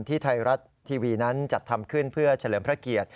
ที่ไทยรัฐทีวีนั้นจัดทำขึ้นเพื่อเฉลิมพระเกียรติ